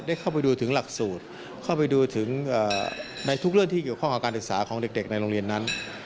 เข้าไปดูถึงหลักสูตรเข้าไปดูถึงในทุกเรื่องที่เกี่ยวข้องกับการศึกษาของเด็กในโรงเรียนนั้น